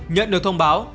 nhận được thông báo